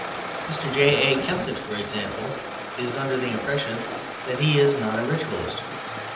Mr. J. A. Kensit, for example, is under the impression that he is not a ritualist.